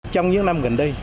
trong những năm gần đây